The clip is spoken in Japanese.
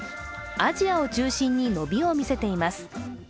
アジアを中心に伸びを見せています。